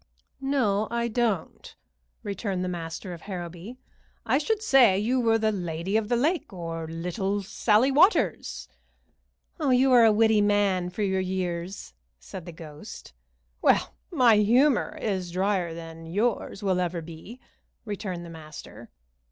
"No, I don't," returned the master of Harrowby. "I should say you were the Lady of the Lake, or Little Sallie Waters." "You are a witty man for your years," said the ghost. "Well, my humor is drier than yours ever will be," returned the master.